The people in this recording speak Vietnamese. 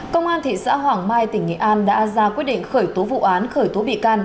công an tp hà nội đã ra quyết định khởi tố vụ án khởi tố bị can